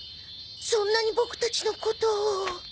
そんなにボクたちのことを。